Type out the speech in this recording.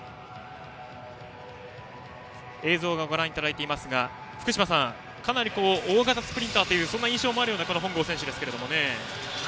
映像をご覧いただいていますが福島さん、かなり大型スプリンターというそんな印象もある本郷選手ですね。